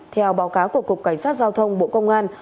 theo báo cáo của cục cảnh sát giao thông bộ công an